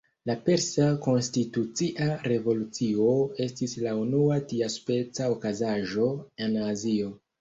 La Persa Konstitucia Revolucio estis la unua tiaspeca okazaĵo en Azio.